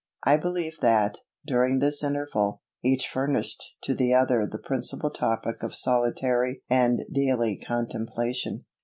I believe that, during this interval, each furnished to the other the principal topic of solitary and daily contemplation.